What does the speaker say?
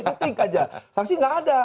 titik saja saksi tidak ada